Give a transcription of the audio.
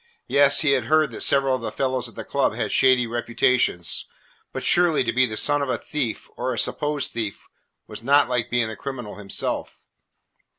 Yes, he had heard that several of the fellows at the club had shady reputations, but surely to be the son of a thief or a supposed thief was not like being the criminal himself.